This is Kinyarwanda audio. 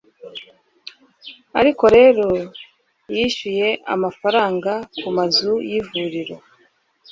ariko rero, yishyuye amafaranga kumazu n'ivuriro